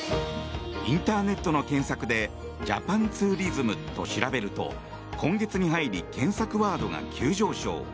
インターネットの検索で「ジャパンツーリズム」と調べると今月に入り検索ワードが急上昇。